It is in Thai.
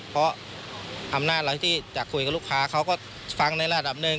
เพราะอำนาจอะไรที่จะคุยกับลูกค้าเขาก็ฟังในระดับหนึ่ง